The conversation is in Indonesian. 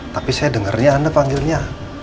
tapi saya dengarnya anda panggilnya